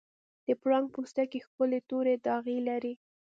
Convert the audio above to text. د پړانګ پوستکی ښکلي تورې داغې لري.